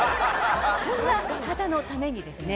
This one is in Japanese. そんな方のためにですね